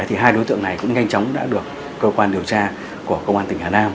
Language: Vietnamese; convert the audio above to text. hai đối tượng này cũng nhanh chóng đã được cơ quan điều tra của công an tỉnh hàn nam